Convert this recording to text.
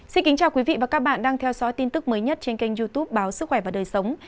xin kính chào quý vị và các bạn đang theo dõi tin tức mới nhất trên kênh youtube báo sức khỏe và đời sống